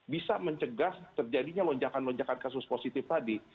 bisa mencegah terjadinya lonjakan lonjakan kasus positif tadi